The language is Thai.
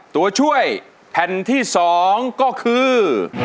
ตัวช่วยแผ่นที่๒ก็คือ